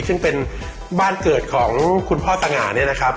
ซึ่งเป็นบ้านเกิดของคุณพ่อสง่าเนี่ยนะครับ